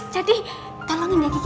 jadi tolongin ya keke